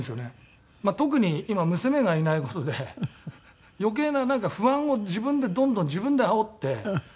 特に今娘がいない事で余計な不安を自分でどんどん自分であおって。